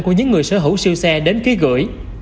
của những người sở hữu siêu xe đến ký gửi